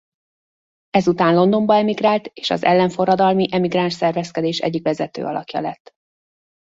Ezután Londonba emigrált és az ellenforradalmi emigráns szervezkedés egyik vezető alakja lett.